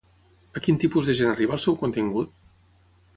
A quin tipus de gent arriba el seu contingut?